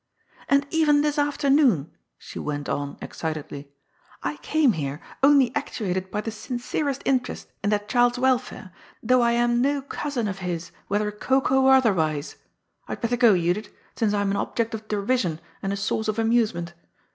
" And even this afternoon," she went on excitedly, " I came here, only actuated by the sincerest interest in that child's welfare, though I am no cousin of his, whether Cocoa or otherwise t I had better go, Judith, since I am an object of derision and a source of amusement.